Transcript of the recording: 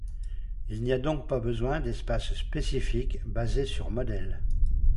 Il n'y a donc pas besoin d'espaces spécifiques basés sur modèle.